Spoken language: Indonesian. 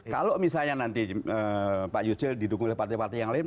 kalau misalnya nanti pak yusril didukung oleh partai partai yang lain